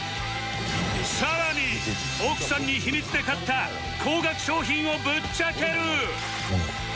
さらに奥さんに秘密で買った高額商品をぶっちゃける！